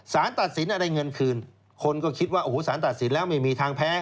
สารตัดสินอะไรเงินคืนคนก็คิดว่าโอ้โหสารตัดสินแล้วไม่มีทางแพ้